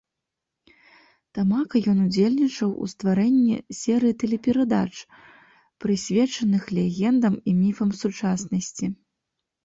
Тамака ён удзельнічаў у стварэнні серыі тэлеперадач, прысвечаных легендам і міфам сучаснасці.